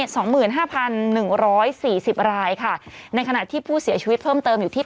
สองหมื่นห้าพันหนึ่งร้อยสี่สิบรายค่ะในขณะที่ผู้เสียชีวิตเพิ่มเติมอยู่ที่